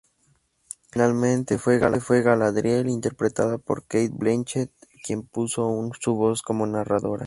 Finalmente fue Galadriel, interpretada por Cate Blanchett, quien puso su voz como narradora.